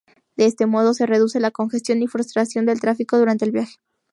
De este modo, se reduce la congestión y frustración del tráfico durante el viaje.